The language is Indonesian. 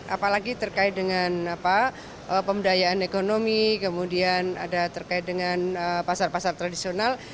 apalagi terkait dengan pemberdayaan ekonomi kemudian ada terkait dengan pasar pasar tradisional